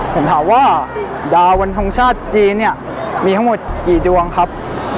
ผมถามว่าดาววันทรงชาติจีนเนี่ยมีทั้งหมดกี่ดวงครับ